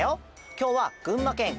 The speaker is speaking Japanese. きょうはぐんまけん